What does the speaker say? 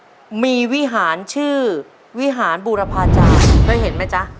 ที่วัดนี้มีวิหารชื่อวิหารบูรพาจานเคยเห็นไหมจ้ะ